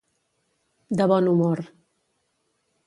De bon humor.